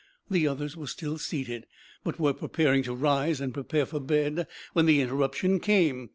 The others were still seated, but were preparing to rise and prepare for bed when the interruption came.